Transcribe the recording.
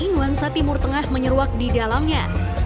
nuansa timur tengah menyeruak di dalamnya